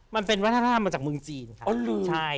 มันเป็นวัฒนธรรมมาจากเมืองจีนครับ